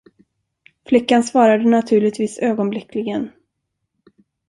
Flickan svarade naturligtvis ögonblickligen.